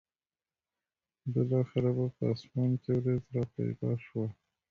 بالاخره به په اسمان کې ورېځ را پیدا شوه.